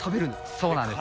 そうなんです。